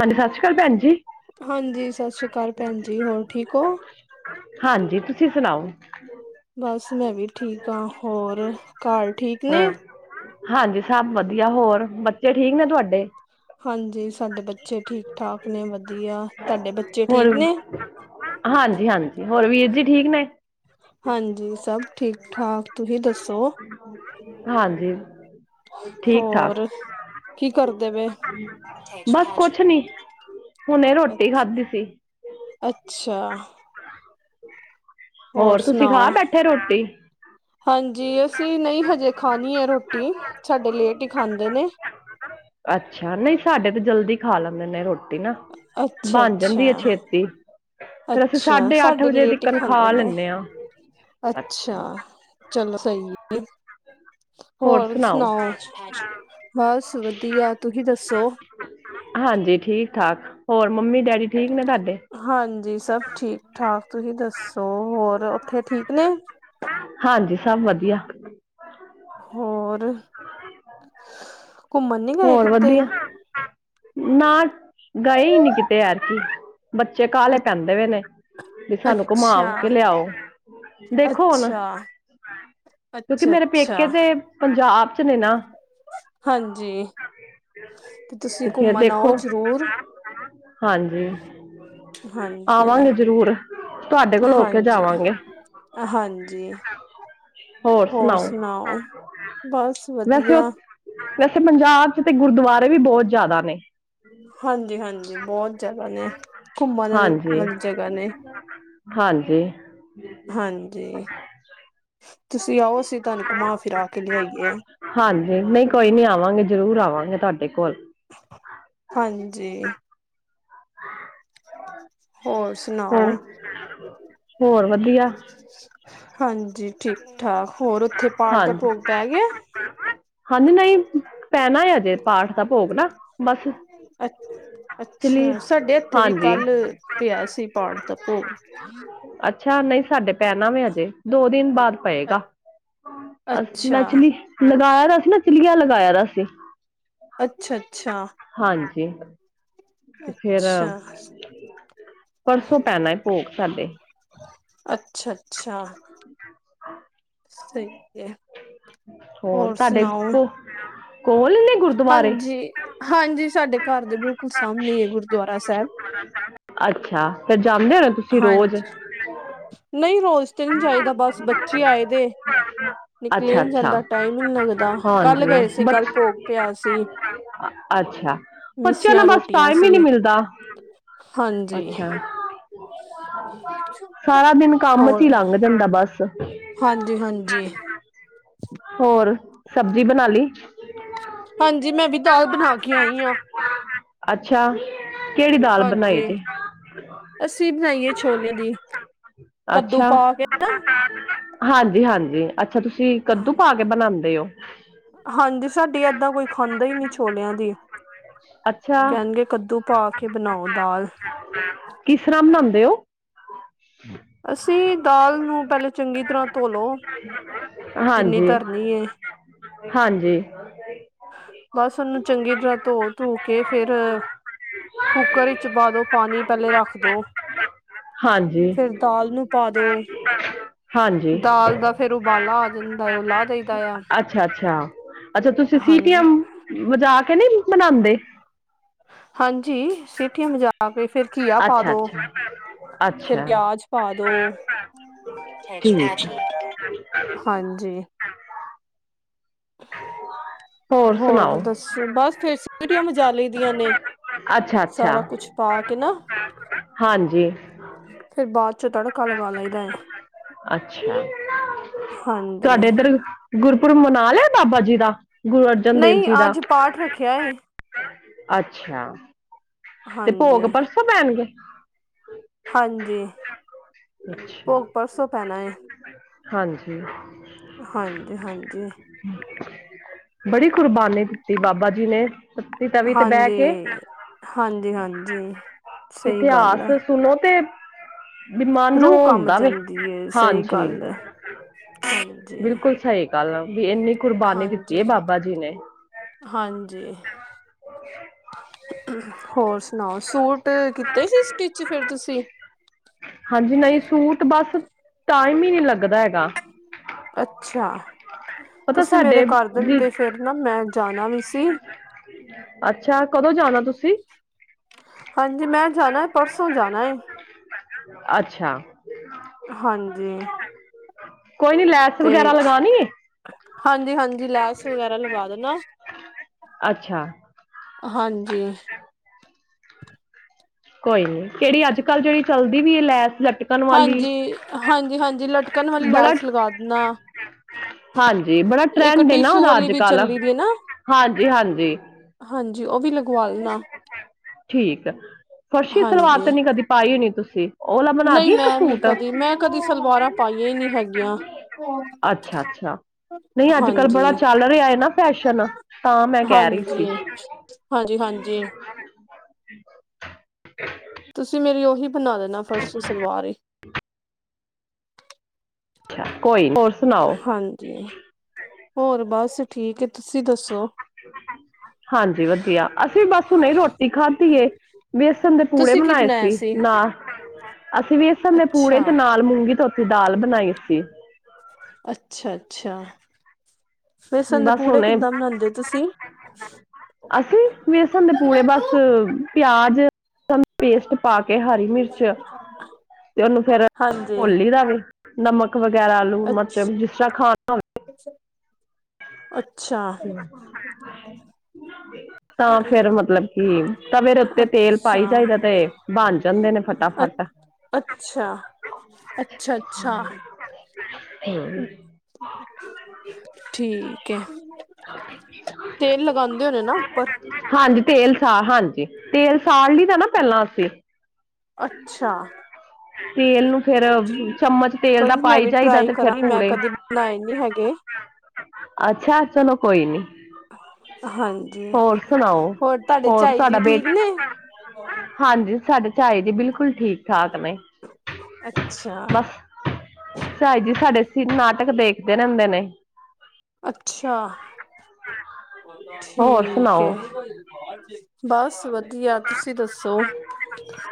ਹੰਡ ਖਸ ਹਾਂਜੀ ਸਤਿ ਸ੍ਰੀ ਅਕਾਲ ਭੈਣ ਜੀ ਹੋਰ ਠੀਕ ਹੋ ਹਾਂਜੀ ਤੁਸੀਂ ਸੁਣਾਓ ਬਸ ਮੈਂ ਵੀ ਠੀਕ ਹਾਂ ਹੋਰ ਘਰ ਠੀਕ ਨੇ ਹੋਰ ਹਾਂਜੀ ਸਭ ਵਧੀਆ ਹੋਰ ਬੱਚੇ ਠੀਕ ਨੇ ਤੁਹਾਡੇ ਹਾਂਜੀ ਸਾਡੇ ਬੱਚੇ ਠੀਕ ਠਾਕ ਨੇ ਵਧੀਆ ਵਧੀਆ ਤੁਹਾਡੇ ਬੱਚੇ ਠੀਕ ਨੇ ਹਾਂਜੀ-ਹਾਂਜੀ ਹੋਰ ਵੀਰ ਜੀ ਠੀਕ ਨੇ ਹਾਂਜੀ ਸਭ ਠੀਕ ਠਾਕ ਤੁਸੀਂ ਦੱਸੋ ਹਾਂਜੀ ਠੀਕ ਠਾਕ ਹੋਰ ਕੀ ਕਰਦੇ ਪ ਬਸ ਕੁਛ ਨੀ ਹੁਣੇ ਰੋਟੀ ਖਾਧੀ ਸੀ ਅੱਛਾ ਹੋਰ ਤੁਸੀਂ ਖਾ ਸੁਣਾਓ ਬੈਠੇ ਰੋਟੀ ਹਾਂਜੀ ਅਸੀਂ ਨਹੀਂ ਹਜੇ ਖਾਣੀ ਹੈ ਰੋਟੀ ਸਾਡੇ ਲੇਟ ਹੀ ਖਾਂਦੇ ਨੇ ਮ ਰੋਟ ਨਾ ਅੱਛਾ ਬਣ ਅੱਛਾ ਜਾਂਦੀ ਹੈ ਛੇਤੀ ਫੇਰ ਅਸੀਂ ਅੱਛਾ ਸਾਢੇ ਅੱਠ ਸਾਡੇ ਵਜੇ ਦੀ ਲੇਟ ਹੀ ਕਣਕ ਖਾਂਦੇ ਪਾ ਨੇ ਲੈਂਦੇ ਹ ਅੱਛਾ ਚਲੋ ਸਹੀ ਹੈ ਹੋਰ ਸੁਣਾਓ ਬਸ ਵਧੀਆ ਤੁਸੀਂ ਦੱਸੋ ਹਾਂਜੀ ਠੀਕ ਠਾਕ ਹੋਰ ਮੰਮੀ ਡੈਡੀ ਠੀਕ ਨੇ ਤੁਹਾਡੇ ਹਾਂਜੀ ਸਭ ਠੀਕ ਠਾਕ ਤੁਸੀਂ ਦੱਸੋ ਹੋਰ ਠੀਕ ਨੇ ਹਾਂਜੀ ਸਭ ਵਧੀਆ ਹੋਰ ਘੁੰਮਣ ਨੀ ਗਏ ਹੋਰ ਕਿਤੇ? ਵਧੀਆ ਨਾ ਗਏ ਨੀ ਕਿਤੇ ਅੱਜ ਬੱਚੇ ਕਾਲੇ ਅੱਛਾ, ਪੈਂਦੇ ਹੋਏ ਨੇ ਕਿ ਸਾਨੂੰ ਅੱਛਾ, ਘੁਮਾਵ ਕੇ ਲਿਆਓ ਦੇਖੋ ਹੁਣ ਕਿਉਂਕਿ ਅੱਛਾ, ਮੇਰੇ ਪੇਕੇ ਅੱਛਾ ਤੇ ਪੰਜਾਬ ਚ ਨੇ ਨਾ ਹਾਂਜੀ ਤੇ ਤੁਸੀਂ ਤੇ ਫੇਰ ਘੁੰਮਣ ਆਓ ਦੇਖੋ ਜਰੂਰ ਹਾਂਜੀ ਆਵਾਂਗੇ ਜ਼ਰੂਰ ਤੁਹਾਡੇ ਕੋਲ ਹੋ ਕੇ ਹਾਂਜੀ-ਹਾਂਜੀ ਜਾਵਾਂਗੇ ਹਾਂਜੀ ਹੋਰ ਸੁਣਾਓ ਬਸ ਵੈਸੇ ਉ ਵਧੀਆ ਵੈਸੇ ਪੰਜਾਬ ਚ ਤੇ ਗੁਰਦੁਆਰਾ ਹਾਂਜੀ-ਹਾਂਜੀ ਬਹੁਤ ਜਗ੍ਹਾ ਨੇ ਘੁੰਮਣ ਕੁਮਾਂਨ ਹਾਂਜੀ ਵਾਲੀ ਜਗ੍ਹਾ ਨੇ ਹਾਂਜੀ ਹਾਂਜੀ ਤੁਸੀਂ ਆਓ ਅਸੀਂ ਤੁਹਾਨੂੰ ਘੁਮਾ ਫਿਰਾ ਕੇ ਲਿਆਈਏ ਹਾਂਜੀ ਨਹੀਂ ਕੋਈ ਨੀ ਆਵਾਂਗੇ ਜਰੂਰ ਆਵਾਂਗੇ ਤੁਹਾਡੇ ਕੋਲ ਹਾਂਜੀ ਹ ਹੋਰ ਸੁਣਾਓ ਹਾਂ ਹੋਰ ਵਧੀਆ ਹ ਹਾਂਜੀ ਠੀਕ ਠਾਕ ਹੋਰ ਉੱਥੇ ਪਾਠ ਦਾ ਹਾਂਜੀ ਭੋਗ ਪੈ ਗਿਆ ਹਾਂਜੀ ਨਹੀਂ ਪੈਣਾ ਜੇ ਪਾਠ ਦਾ ਭੋਗ ਨਾ ਬਸ ਅੱਛ ਚਲੀ ਅੱਛਾ ਸਾਡੇ ਹੱਥੇ ਵੀ ਹਾਂਜੀ ਕੱਲ ਗਿਆ ਸੀ ਪਾਠ ਦਾ ਭੋਗ ਹਮ ਅੱਛਾ ਨਹੀਂ ਸਾਡੇ ਪੈਣਾ ਮੈਂ ਹਜੇ ਦੋ ਦਿਨ ਬਾਅਦ ਪਏਗਾ ਅੱਛਾ ਮੈਚਲੀ ਲਗਾਇਆ ਸੀ ਨਾ ਚਿੱਲੀਆਂ ਲਗਾਇਆ ਦਾ ਸੀ ਅੱਛਾ ਅੱਛਾ ਹਾਂਜੀ ਤੇ ਫੇਿਰ ਅੱਛਾ ਪਰਸੋਂ ਪੈਣਾ ਹੈ ਭੋਗ ਸਾਡੇ ਅੱਛਾ ਅੱਛਾ ਅੱਛਾ ਸਹੀ ਹੈ ਹੋਰ ਸੁਣਾਓ ਕੋਲਦੇ ਗੁਰਦੁਆਰੇ ਹਾਂਜੀ ਹਾਂਜੀ ਸਾਡੇ ਘਰ ਦੇ ਬਿਲੁਲ ਅੱਛਾ ਤੇ ਜਾਂਦੇ ਹੋ ਨਾ ਤੁਸੀਂ ਰੋਜ਼ ਹਾਂਜੀ ਨਹੀਂ ਰੋਜ਼ ਤੇ ਨਹੀਂ ਚਾਹੀਦਾ ਬਸ ਬੱਚੇ ਆਏ ਦੇ ਔਰ ਅੱਛਾ ਨਿਕਲਿਆਨ ਅੱਛਾ ਜਾਂਦਾ ਟਾਈਮ ਹੀ ਨਹੀਂ ਲੱਗਦਾ ਕੱਲ ਹਾਂਜੀ ਗਏ ਸੀ ਕੱਲ ਬ ਭੋਗ ਪਿਆ ਸੀ ਅੱਛਾ ਬੱਚਿਆਂ ਨੂੰ ਮਿਸੀਆਂ ਬਸ ਰੋਟੀਆਂ ਟਾਈਮ ਹੀ ਨਹੀਂ ਸੀ ਮਿਲਦਾ ਹਾਂਜੀ ਅੱਛਾ ਸਾਰਾ ਦਿਨ ਕੰਮ ਹੋਰ ਚ ਲੰਘ ਜਾਂਦਾ ਬਸ ਹਾਂਜੀ ਹਾਂਜੀ ਹੋਰ ਸਬਜ਼ੀ ਬਣਾ ਲਈ ਹਾਂਜੀ ਮੈਂ ਵੀ ਦਾਲ ਬਣਾ ਕੇ ਆਈ ਹਾਂ ਅੱਛਾ ਕਿਹੜੀ ਦਾਲ ਬਣਾਈ ਹਾਂਜੀ ਜੇ ਅਸੀਂ ਬਣਾਈਏ ਛੋਲਿਆਂ ਦੀ ਕੱਦੂ ਅੱਛਾ ਪਾ ਕੇ ਨਾ ਹਾਂਜੀ ਹਾਂਜੀ ਅੱਛਾ ਤੁਸੀਂ ਕੱਦੂ ਪਾ ਕੇ ਬਣਾਉਂਦੇ ਹੋ ਹਾਂਜੀ ਸਾਡੀ ਏਦਾਂ ਕੋਈ ਖਾਂਦਾ ਹੀ ਨਹੀਂ ਛੋਲਿਆਂ ਦੀ ਅੱਛਾ ਕਹਿਣਗੇ ਕੱਦੂ ਪਾ ਕੇ ਬਣਾਓ ਦਾਲ ਹਾਂ ਅਸੀਂ ਦਾਲ ਨੂੰ ਪਹਿਲੇ ਚੰਗੀ ਤਰ੍ਹਾਂ ਧੋਲੋ ਜਿੰਨੀ ਹਾਂਜੀ ਧਰਨੀ ਹਾਂਜੀ ਬਸ ਉਹਨੂੰ ਚੰਗੀ ਤਰ੍ਹਾਂ ਧੋ ਧੋ ਕੇ ਫੇਿਰ ਕੁੱਕਰ ਵਿੱਚ ਪਾ ਦੋ ਪਾਣੀ ਪਹਿਲੇ ਰੱਖ ਦੋ, ਹਾਂਜੀ ਫਿਰ ਦਾਲ ਨੂੰ ਪਾ ਦੋ, ਹਾਂਜੀ ਦਾਲ ਦਾ ਫੇਿਰ ਉਬਾਲਾ ਆ ਜਾਂਦਾ ਏ, ਉਹ ਲਾਹ ਦਈਦਾ ਆ ਅੱਛਾ ਅੱਛਾ ਅੱਛਾ ਤੁਸੀਂ ਸੀਟੀ ਹਾਂਜੀ ਐਮ ਵਜਾ ਕੇ ਕਿ ਨਹੀਂ ਮਨਾਉਂਦੇ ਹਾਂਜੀ ਸਟੀਆਂ ਮਜਾ ਕੇ ਫਿਰ ਘੀਆ ਪਾ ਅੱਛਾ ਦੋ, ਅੱਛਾ ਫਿਰ ਅੱਛਾ ਪਿਆਜ ਪਾ ਦੋ ਠੀਕ ਹਾਂਜੀ ਜੀ ਹੋਰ ਦੱਸੋ ਬਸ ਫੇਰ ਸਟੀਆਂ ਮਜਾਲ ਦੀਆਂ ਨੇ ਅੱਛਾ ਅੱਛਾ ਸਾਰਾ ਕੁਛ ਪਾ ਕੇ ਨਾ ਹਾਂਜੀ ਫਿਰ ਬਾਅਦ ਚੋਂ ਤੜਕਾ ਲਗਾ ਲਈਦਾ ਹੈ ਅੱਛਾ ਹਾਂਜੀ ਤੁਹਾਡੇ ਇੱਧਰ ਗੁਰ ਮਨਾ ਲੇਯਾ ਬਾਬਾ ਜੀ ਦਾ ਗੁਰੂ ਅਰਜਨ ਦੇਵ ਨਹੀਂ ਜੀ ਦਾ ਅੱਜ ਪਾਠ ਰੱਖਿਆ ਹੈ ਅੱਛਾ ਤੇ ਭੋਗ ਹਾਂਜੀ ਪਰਸੋਂ ਪੈਣਗੇ ਹਾਂਜੀ, ਅੱਛਾ ਭੋਗ ਪਰਸੋਂ ਪੈਣਾ ਹਾਂਜੀ ਹਾਂਜੀ ਹਾਂਜੀ ਬੜੀ ਕੁਰਬਾਨੀ ਦਿੱਤੀ ਬਾਬਾ ਜੀ ਨੇ ਪੱਤੀ ਤਵੀ ਤੇ ਬਹਿ ਕੇ ਹਾਂਜੀ ਹਾਂਜੀ ਹਾਂਜੀ, ਸਹੀ ਗੱਲ ਹੈ ਹ ਰੂਹ ਕੰਮ ਜਾਂਦੀ ਸਹੀ ਹਾਂਜੀ ਗੱਲ ਹੈ, ਹਾਂਜੀ ਕੱਲ ਵੀ ਇੰਨੀ ਕੁਰਬਾਨੀ ਦਿੱਤੀ ਹੈ ਹਾਂਜੀ ਬਾਬਾ ਜੀ ਨੇ ਹਾਂਜੀ ਹੋਰ ਸੁਣਾਓ, ਸੂਟ ਕੀਤੇ ਸੀ ਸਟਿਚ ਫਿਰ ਤੁਸੀਂ? ਹਾਂਜੀ ਨਹੀਂ, ਸੂਟ ਬਸ ਟਾਈਮ ਹੀ ਨਹੀਂ ਲੱਗਦਾ ਹੈਗਾ । ਅੱਛਾ, ਪਤਾ ਤੁਸੀਂ ਮੇਰੇ ਸਾਡੇ ਕਰ ਦੀ, ਦਿੰਦੇ ਫਿਰ ਨਾ ਮੈਂ ਜਾਣਾ ਵੀ ਸੀ ਅੱਛਾ ਕਦੋਂ ਜਾਣਾ ਤੁਸੀ? ਸੀ। ਹਾਂਜੀ ਮੈਂ ਜਾਣਾ ਹੈ ਪਰਸੋਂ ਜਾਣਾ ਏ। ਅੱਛਾ ਹਾਂਜੀ ਕੋਈ ਨੀ ਲੈਸ ਤੇ ਵਗੈਰਾ ਲਗਾਣੀ ਏ? ਹਾਂਜੀ, ਹਾਂਜੀ ਜੀ ਲੈਸ ਵਗੈਰਾ ਲਗਾ ਦੇਣਾ। ਅੱਛਾ ਹਾਂਜੀ ਕੋਈ ਨੀ ਕਿਹੜੀ ਅੱਜ ਕੱਲ੍ਹ ਜਿਹੜੀ ਚੱਲਦੀ ਵੀ ਏ ਲੈਸ ਲ ਚਿਕਨ ਵਾਲੀ, ਹਾਂਜੀ ਹਾਂਜੀ ਹਾਂਜੀ ਲਟਕਣ ਵਾਲੀ ਬੜਾ, ਲੈਸ ਲਗਾ ਦੇਣਾ ਹਾਂਜੀ ਬੜਾ ਇੱਕ ਟਰੈਂਡ ਏ ਨਾ ਟਿਸ਼ੂ ਉਹਦਾ ਵਾਲੀ ਅੱਜ ਵੀ -ਕੱਲ ਚੱਲੀ ਦੀ ਹੈ ਨਾ ਹਾਂਜੀ, ਹਾਂਜੀ। ਹਾਂਜੀ ਉਹ ਵੀ ਲਗਵਾ ਦੇਣਾ । ਠੀਕ ਆ, ਫਰਸ਼ੀ ਸਲਵਾਰ ਹਾਂਜੀ ਤੇ ਨੀ ਕਦੇ ਪਾਈ ਹੋਣੀ ਤੁਸੀਂ? ਤੇ ਨਹੀਂ ਮੈਂ ਨੀ ਕਦੀ ਮੈਂ ਕਦੀ ਸਲਵਾਰਾਂ ਪਾਈਆਂ ਹੀ ਨਹੀ ਹੈਗੀਆਂ। ਅੱਛਾ ਅੱਛਾ ਨਹੀਂ ਅੱਜ ਕੱਲ ਹਾਂਜੀ, ਬੜਾ ਚੱਲ ਰਿਹਾ ਹੈ ਨਾ ਫੈਸ਼ਨ ਤਾਂ ਮੈਂ ਕਹਿ ਰਹੀ ਸੀ ਹਾਂਜੀ, ਹਾਂਜੀ, ਹਾਂਜੀ ਤੁਸੀਂ ਮੇਰੀ ਔਹ ਉਹੀ ਬਣਾ ਦੇਣਾ ਫਰਸ਼ੀ ਸਲਵਾਰ ਹੀ। ਕੋਈ ਨਾ। ਹਾਂਜੀ, ਹੋਰ ਬਸ। ਬੱਸ ਠੀਕ ਹੈ। ਤੁਸੀਂ ਦੱਸੋ ਹਾਂਜੀ ਵਧੀਆ, ਅਸੀਂ ਬਸ ਹੁਣੇ ਰੋਟੀ ਖਾਧੀਏ ਵੇਸਣ ਦੇ ਪੂੜੇ ਤੁਸੀਂ ਕੀ ਬਨਾਏ ਬਣਾਇਆ ਸੀ ਨਾਲ ਅਸੀਂ ਵੇਸ਼ਨ ਦੇ ਪੂੜੇ ਅੱਛਾ ਤੇ ਨਾਲ ਮੂੰਗੀ ਧੋਤੀ ਤੇ ਦਾਲ ਬਣਾਈ ਸੀ। ਅੱਛਾ, ਅੱਛਾ ਬੇਸਣ ਦੇ ਬਸ ਪੂੜੇ ਹੁਨੇ, ਕਿੱਦਾਂ ਬਣਾਉਂਦੇ ਹੋ ਤੁਸੀਂ ਅਸੀਂ ਵੇਸਣ ਦੇ ਪੂੜੇ ਬਸ । ਪਿਆਜ ਪਹਿਲੇ ਪੇਸਟ ਪਾ ਕੇ ਹਰੀ ਮਿਰਚ, ਤੇ ਉਹਨੂੰ ਫਿਰ ਹਾਂਜੀ ਘੋਲੀ ਦਾ ਵੀ। ਨਮਕ ਵਗੈਰਾ ਆਲੂ, ਮਰਚ ਅੱਛ ਜਿਸ ਤਰ੍ਹਾਂ ਖਾਣਾ ਹੋਵੇ। ਅੱਛਾ [inaudible] ਤਾਂ ਫੇਰ ਮਤਲਬ ਕਿ ਤਵੇ ਦੇ ਉੱਤੇ ਤੇਲ ਅੱਛਾ, ਪਾਈ ਜਾਈਦਾ ਤੇ ਬਣ ਜਾਂਦੇ ਨੇ ਅ, ਫਟਾਫਟ ਅੱਛਾ, ਅੱਛਾ, ਅੱਛਾ, ਹੂੰ ਠੀਕ ਹੈ ਤੇਲ ਲਗਾਉਂਦੇ ਹੋਣੇ ਨਾ ਉੱਪਰ ਹਾਂਜੀ ਤੇਲ ਸਾ ਹਾਂਜੀ ਤੇਲ ਸਾੜ ਲਈ ਦਾ ਨਾ ਪਹਿਲਾਂ ਅਸੀਂ ਅੱਛਾ ਤੇਲ ਨੂੰ ਫੇਰ ਠੀਕ ਚਮਚ ਤੇਲ ਕੋਈ ਦਾ ਨੀ ਮੈਂ ਪਾਈ ਵੀ ਚਾਹੀਦਾ ਟਰਾਈ ਤੇ ਫੇਰ ਕਰਾਂਗੀ ਮੈਂ ਭੂੜੇ ਕਦੇ ਬਣਾਏ ਨੀ ਹੈਗੇ ਅੱਛਾ ਚਲੋ ਕੋਈ ਨੀ ਹਾਂਜੀ ਹੋਰ ਸੁਣਾਓ ਤੁਹਾਡੇ ਹੋਰ ਝਾਈ ਤੁਹਾਡਾ ਜੀ ਠੀਕ ਬੇਟਾ ਨੇ ਹਾਂਜੀ ਸਾਡੇ ਭਾਈ ਦੀ ਬਿਲਕੁਲ ਠੀਕ ਠਾਕ ਨੇ ਅੱਛਾ ਬਸ ਸ ਜੀ ਸਾਡੇ ਨਾਟਕ ਦੇਖਦੇ ਰਹਿੰਦੇ ਨੇ ਅੱਛਾ ਹੋਰ ਠੀਕ ਹੈ ਸੁਣਾਓ ਬਸ ਬ ਵਧੀਆ ਤੁਸੀਂ ਦੱਸੋ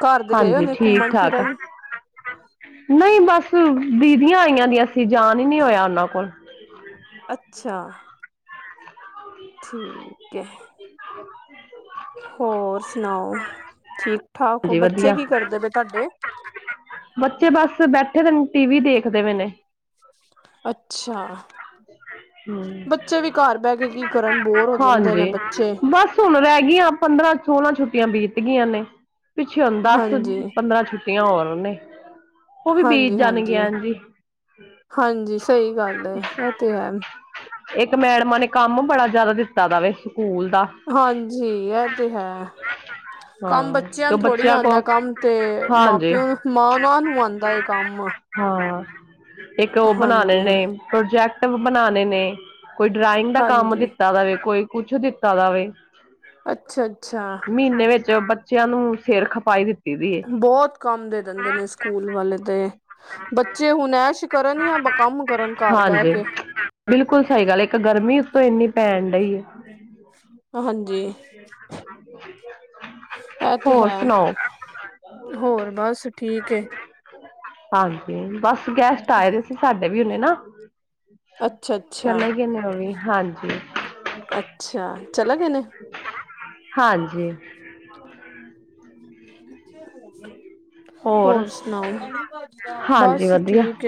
ਘਰ ਦੇ ਗਏ ਹਾਂਜੀ ਹੋਦੇ ਠੀਕ ਘੁੰਮਣ ਠਾਕ ਆ ਫਿਰਨ ਨਹੀਂ ਬਸ ਦੀਦੀਆਂ ਆਈਆਂ ਦੀਆਂ ਅਸੀਂ ਜਾਣ ਹੀ ਨਹੀਂੀ ਹੋਇਆ ਉਹਨਾਂ ਕੋਲ ਅੱਛਾ ਠੀਕ ਹੈ [inaudible] ਹੋਰ ਸੁਣਾਓ ਠੀਕ ਠਾਕ ਹੋ ਹਾਂਜੀ ਬੱਚੇ ਵਧੀਆ ਕੀ ਕਰਦੇ ਪਏ ਤੁਹਾਡੇ ਬੱਚੇ ਬਸ ਬੈਠੇ ਤਨ ਟੀ ਵੀ ਦੇਖਦੇ ਮਨ ਅੱਛਾ ਬੱਚੇ ਵੀ ਘਰ ਬਹਿ ਕੇ ਕੀ ਕਰਨ ਬੋਰ ਹੋ ਜਾਂਦੇ ਨੇ ਹਾਂਜੀ ਬੱਚੇ ਬਸ ਹੁਣ ਰਹਿ ਗਈਆਂ ਪੰਦਰਾਂ ਸੋਲਾਂ ਛੁੱਤੀ ਛੁੱਟੀਆਂ ਬੀਤ ਗਈਆਂ ਨੇ ਪਿੱਛੇ ਹੁੰ ਦਸ ਹਾਂਜੀ ਪੰਦਰਾਂ ਛੁੱਟੀ ਕਿ ਆਵਾ ਰ ਨੇ ਉਹ ਵੀ ਬੀਤ ਹਾਂਜੀ ਹਾਂਜੀ ਜਾਣਗੀਆਂ ਜੀ। ਹਾਂਜੀ ਸਹੀ ਗੱਲ ਹੈ ਇਹ ਤੇ ਹੈ ਇੱਕ ਮੈਡਮਾਂ ਨੇ ਕੰਮ ਬੜਾ ਜਿਆਦਾ ਦਿੱਤਾ ਦਾ ਵ ਹਾਂਜੀ ਇਹ ਤੇ ਹੈ ਕੰਮ ਹਾਂ ਬੱਚਿਆਂ ਤੇ ਨੂੰ ਥੋੜ੍ਹੀ ਆਉਂਦਾ ਕੋਲ ਕੰਮ ਤੇ ਮਾਂ ਹਾਂਜੀ ਪਿਓ ਨੂੰ ਮਾਂ ਉਹਨਾਂ ਨੂੰ ਆਉਂਦਾ ਕੰਮ ਹਾਂ ਇੱਕ ਉਹ ਬਣਾਣੇ ਹਾਂਜੀ ਨੇ ਪ੍ਰੋਜੈਕਟ ਬਣਾਣੇ ਨੇ ਕੋਈ ਡਰਾਇੰਗ ਦਾ ਕੰਮ ਹਾਂਜੀ ਦਿੱਤਾ ਜਾਵੇ ਕੋਈ ਕੁੱਛ ਦਿੱਤਾ ਜਾਵੇ ਅੱਛਾ ਅੱਛਾ ਵਿੱਚ ਬੱਚਿਆਂ ਨੂੰ ਸਿਰ ਖਪਾਈ ਦੀ ਏ। ਬਹੁਤ ਕੰਮ ਦੇ ਦੇ ਦਿੰਦੇ ਨੇ ਸਕੂਲ ਵਾਲੇ ਤੇ ਬੱਚੇ ਹੁਣ ਐਸ਼ ਕਰਨ ਜਾਂ ਕੰਮ ਕਰਨ ਘਰ ਬਹਿ ਹਾਂਜੀ ਕੇ ਪੈਂਦਾ ਹੀ ਹੈ ਹਾਂਜੀ ਇਹ ਤੇ ਹੋਰ ਹੈ ਸੁਣਾਓ ਹੋਰ ਬਸ ਠੀਕ ਹੈ ਹਾਂਜੀ ਬਸ ਗੈਸਟ ਆਏ ਰਹੇ ਸੀ ਸਾਡੇ ਅੱਛਾ [unintelligible] ਅੱਛਾ ਚਲਗੇ ਨੇ ਓ ਵੀ ਹਾਂਜੀ ਅੱਛਾ ਚਲੇ ਗਏ ਨੇ ਹਾਂਜੀ ਹੋਰ ਸੁਣਾਓ ਹਾਂਜੀ ਬਸ ਵਧੀਆ ਠੀਕ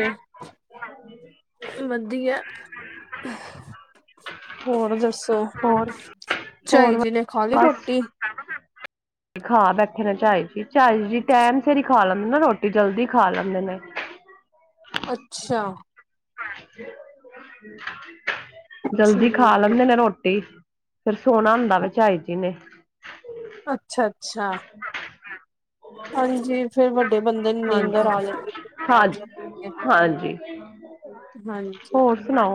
ਵਧੀਆ ਹੋਰ ਦੱ ਸੋ ਹੋਰ ਝਾਈ ਹੋਰ ਜੀ ਨੇ ਖਾ ਲਈ ਬਸ ਰੋਟੀ ਖਾ ਬੈਠੇ ਨਾ ਝਾਈ ਝਾਈ ਹੀ ਟੈਮ ਸਿਰ ਹੀ ਖਾ ਲੇਦੇਂ ਉਹ ਨਾ ਰੋਟੀ ਜਲਦੀ ਖਾ ਲੈਂਦੇ ਨੇ ਅੱਛਾ [unintelligible] ਜਲਦੀ ਖਾ ਠੀਕ ਲੈਂਦੇ ਨੇ ਰੋਟੀ ਫੇਰ ਸੋਣਾ ਹੁੰਦਾ ਝਾਈ ਜੀ ਨੇ ਅੱਛਾ ਅੱਛਾ ਹਾਂਜੀ ਫਿਰ ਵੱਡੇ ਬੰਦੇ ਨੀਂਦਰ ਆ ਹਾਂਜੀ ਜਾ ਹਾਂ ਹਾਂਜੀ ਹਾਂਜੀ ਹ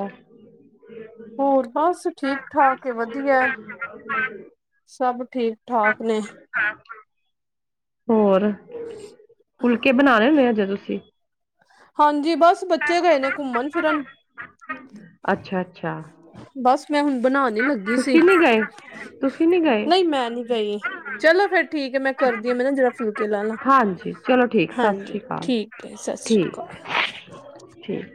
ਹੋਰ ਬਸ ਠੀਕ ਠਾਕ ਵਧੀਆ ਸਭ ਠੀਕ ਠਾਕ ਨੇ ਹੋਰ ਫੁਲਕੇ ਬਣਾਣੇ ਹੁੰਦੇ ਆ ਜਦੋਂ ਠੀਕ ਹਾਂਜੀ ਬਸ ਬੱਚੇ ਗਏ ਨੇ ਘੁੰਮਣ ਫਿਰ ਅੱਛਾ ਅੱਛਾ ਬਸ ਮੈਂ ਹੁਣ ਬਣਾ ਨੀ ਲੱਗੀ ਸੀ ਤੁਸੀਂ ਨੀ ਗਏ ਤੁਸੀਂ ਨੀ ਗਏ ਨਹੀਂ ਮੈਂ ਨਹੀਂ ਗਈ ਚਲੋ ਫੇਰ ਠੀਕ ਹੈ ਮੈਂ ਕਰਦੀ ਹਾਂ ਮੈਂ ਨਾ ਜਰਾ ਫੁਲਕੇ ਲਾ ਲਾ ਹਾਂਜੀ ਚਲੋ ਠੀਕ ਸਤਿ ਹਾਂਜੀ ਸ੍ਰੀ ਅਕਾਲ ਠੀਕ ਹੈ ਸਤ ਸ੍ਰੀ ਠੀਕ ਅਕਾਲ ਠੀਕ